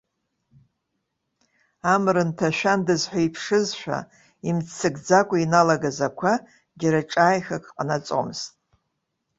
Амра нҭашәандаз ҳәа иԥшызшәа, имццакӡакәа иналагаз ақәа, џьара ҿааихак ҟанаҵомызт.